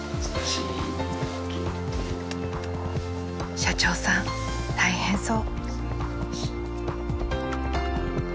社長さん大変そう。